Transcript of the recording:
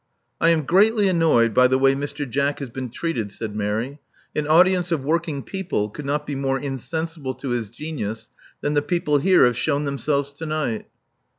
I am greatly annoyed by the way Mr. Jack has been treated," said Mary. An audience of working people could not be more insensible to his genius than the people here have shewn themselves to night."